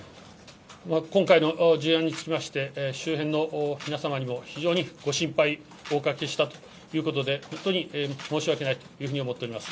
今回の事案につきまして、周辺の皆様にも非常にご心配をおかけしたということで、本当に申し訳ないというふうに思っております。